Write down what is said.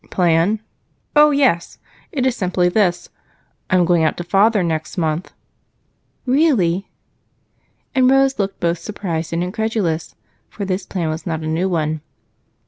"Plan? Oh, yes! It is simply this. I'm going out to Father next month." "Really?" and Rose looked both surprised and incredulous, for this plan was not a new one.